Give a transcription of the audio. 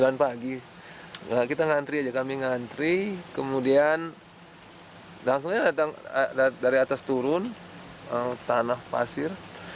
jam pagi kita ngantri aja kami ngantri kemudian langsungnya dari atas turun tanah pasir